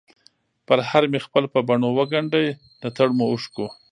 پرهر مې خپل په بڼووګنډی ، دتړمو اوښکو،